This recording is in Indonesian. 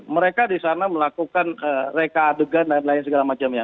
mereka di sana melakukan reka adegan dan lain segala macamnya